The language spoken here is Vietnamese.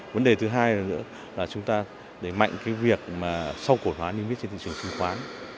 vấn đề thứ hai nữa là chúng ta để mạnh cái việc mà sau cổ phân hóa niêm yết trên thị trường kinh khoán